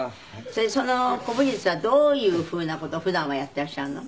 それでその古武術はどういうふうな事を普段はやっていらっしゃるの？